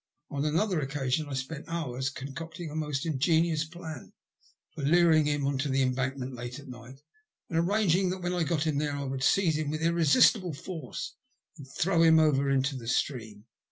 On another occasion I spent hours concocting a most ingenious plan for luring him on to the Embankment late at night, and arranging that BNGLAND ONCE MOBE. 85 when I got him there I would seize him with irre Bistible force and throw him over into the stream.